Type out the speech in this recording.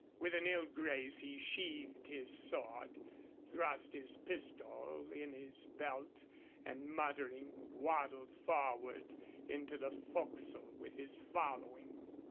With an ill grace he sheathed his sword, thrust his pistol in his belt, and, muttering, waddled forward into the forecastle with his following.